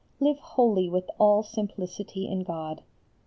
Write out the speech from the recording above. Live wholly with all simplicity in God.